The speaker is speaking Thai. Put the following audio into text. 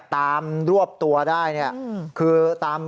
ตามรวบตัวได้เนี่ย